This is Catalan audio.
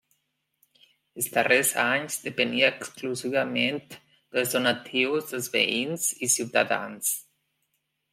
Els darrers anys depenia exclusivament dels donatius dels veïns i ciutadans.